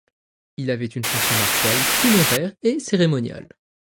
Il avait une fonction martiale, funéraire et cérémoniale.